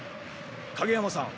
影山さん